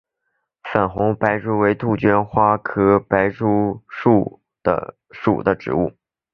红粉白珠为杜鹃花科白珠树属的植物。